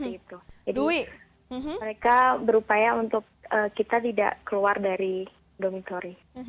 jadi mereka berupaya untuk kita tidak keluar dari dormitori